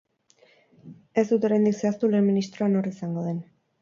Ez dute oraindik zehaztu lehen ministroa nor izango den.